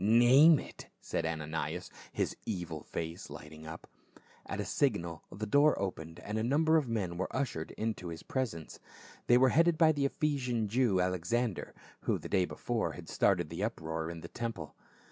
"Name it," said Ananias, his evil face lighting up. At a signal the door opened and a number of men were ushered into his presence. They were headed by the Ephesian Jew, Alexander, who the day before had started the uproar in the temple.